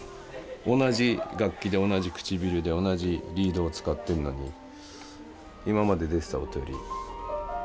同じ楽器で同じ唇で同じリードを使ってるのに今まで出てた音より違う音は出る。